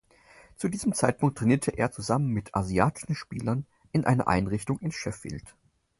Zu diesem Zeitpunkt trainierte er zusammen mit asiatischen Spielern in einer Einrichtung in Sheffield.